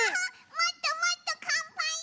もっともっとかんぱいしたい！